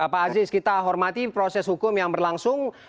pak aziz kita hormati proses hukum yang berlangsung